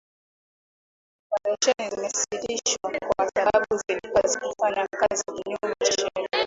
Operesheni zimesitishwa kwa sababu zilikuwa zikifanya kazi kinyume cha sheria